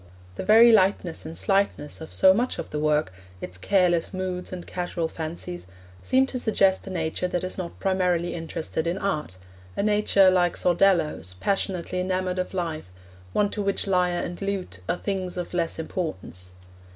The very lightness and slightness of so much of the work, its careless moods and casual fancies, seem to suggest a nature that is not primarily interested in art a nature, like Sordello's, passionately enamoured of life, one to which lyre and lute are things of less importance.